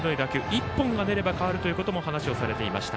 １本が出れば変わるとも話をされていました。